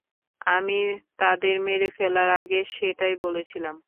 আমি তাদের মেরে ফেলার আগে সেটাই বলেছিলাম।